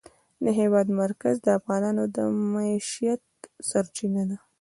د هېواد مرکز د افغانانو د معیشت سرچینه ده.